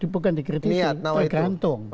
bukan dikritisi bergantung